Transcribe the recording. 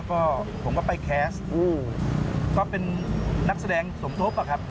ก็ผมก็ไปแคสต์ก็เป็นนักแสดงสมทบอะครับ